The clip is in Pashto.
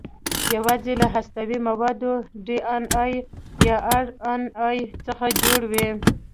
یواځې له هستوي موادو ډي ان اې یا ار ان اې څخه جوړ وي.